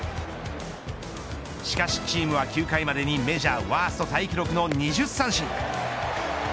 しかしチームは９回までにメジャーワーストタイ記録の２０三振。